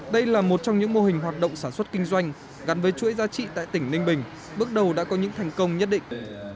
đây là một trong những mô hình hoạt động sản xuất kinh doanh gắn với chuỗi giá trị tại tỉnh ninh bình bước đầu đã có những thành công nhất định